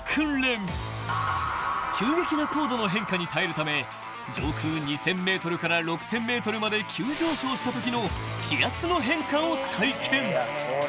［急激な高度の変化に耐えるため上空２，０００ｍから６，０００ｍまで急上昇したときの気圧の変化を体験］